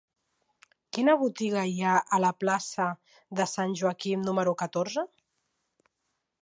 Quina botiga hi ha a la plaça de Sant Joaquim número catorze?